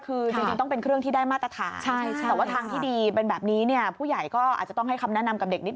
คือจริงต้องเป็นเครื่องที่ได้มาตรฐาน